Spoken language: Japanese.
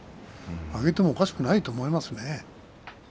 上げてもおかしくないと思いますね。